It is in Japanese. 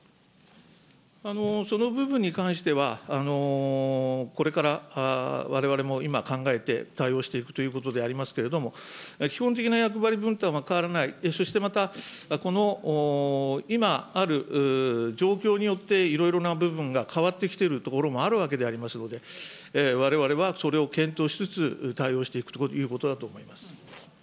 その部分に関しては、これからわれわれも今、考えて対応していくことでありますけれども、基本的な役割分担は変わらない、そしてまた、この今ある状況によっていろいろな部分が変わってきているところもあるわけでありますので、われわれはそれを検討しつつ、対応していくということだと思います。